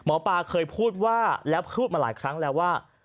หมอปลาเคยพูดว่าแล้วพูดมาหลายครั้งแล้วว่า